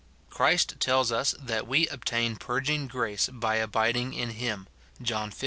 Christ tells us that we obtain purging grace' by abiding in him, John xv.